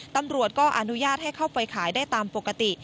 ตำรวจก็อนุญาตให้เข้าไปขายได้ตามปกติ